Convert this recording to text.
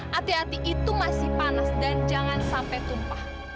hati hati itu masih panas dan jangan sampai tumpah